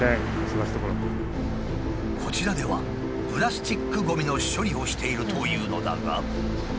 こちらではプラスチックゴミの処理をしているというのだが。